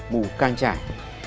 mù cang trải